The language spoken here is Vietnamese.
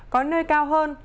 có nơi cao hơn